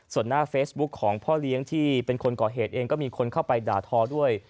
ส่วนหน้าเฟซบุ๊คของพ่อเลี้ยงที่เป็นคนก่อเหตุเองก็มีคนเข้าไปด่าทอด้วย